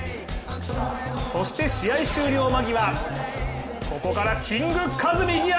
そして試合終了間際、ここからキングカズ、右足！